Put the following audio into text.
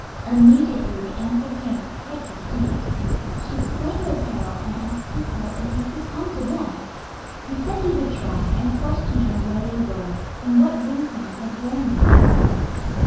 Immediately the answer came, quite distinct. She explained their peril, and asked Tysdell if he could come to them. He said he would try, and questioned her where they were and what wind currents had borne them.